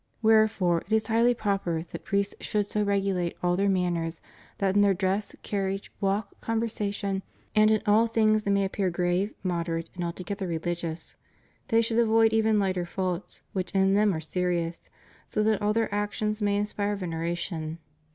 Wherefore it is highly THE CHURCH IN THE PHILIPPINES. 553 proper that priests should so regulate all their manners that in their dress, carriage, walk, conversation, and in all things they may appear grave, moderate and altogether religious; they should avoid even hghter faults, which in them are serious, so that all their actions may inspire veneration.